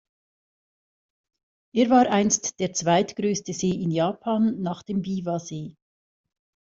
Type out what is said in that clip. Er war einst der zweitgrößte See in Japan nach dem Biwa-See.